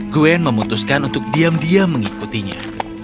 gwen memutuskan untuk diam diam mengikutinya